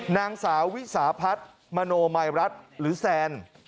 นางสาววิสาพัฒน์มโนมัยรัฐหรือแซน